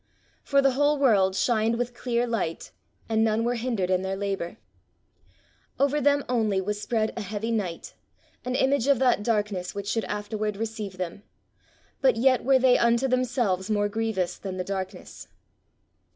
"For the whole world shined with clear light, and none were hindered in their labour: "Over them only was spread an heavy night, an image of that darkness which should afterward receive them: but yet were they unto themselves more grievous than the darkness."